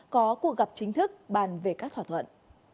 có cuộc gặp chính thức bàn về các thỏa thuận